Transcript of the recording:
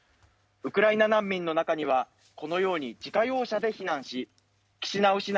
ウクライナ難民の中にはこのように自家用車で避難しキシナウ